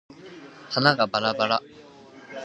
花がばらばらに散ること。転じて、物が乱雑に散らばっていること。